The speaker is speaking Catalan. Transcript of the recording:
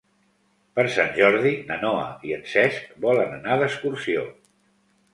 Per Sant Jordi na Noa i en Cesc volen anar d'excursió.